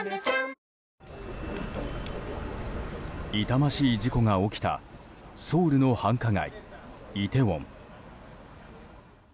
痛ましい事故が起きたソウルの繁華街イテウォン。